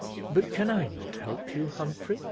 "But can not I help you, Humphrey?"